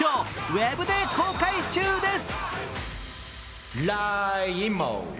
ウェブで公開中です。